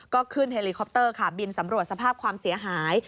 ก็ขึ้นเฮลิคอปเตอร์ค่ะบินสำรวจสภาพความเสียหาย